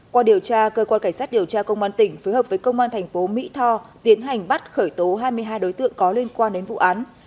qua điều tra cơ quan cảnh sát điều tra công an tỉnh phối hợp với công an thành phố mỹ tho tiến hành bắt khởi tố hai mươi hai đối tượng có liên quan đến vụ án